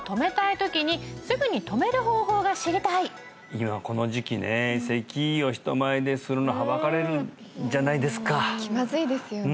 今この時期ね咳を人前でするのはばかれるじゃないですか気まずいですよね